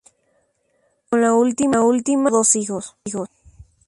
Con la última tuvo dos hijos.